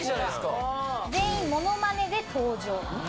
全員ものまねで登場。